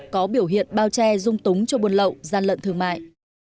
có biểu hiện bao che dung túng cho vun lậu gian lệnh thương mại